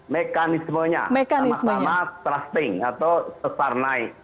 mekanismenya sama sama trusting atau sesar naik